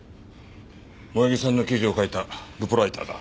萌衣さんの記事を書いたルポライターだ。